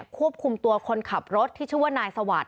ควบคุมตัวคนขับรถที่ชื่อว่านายสวัสดิ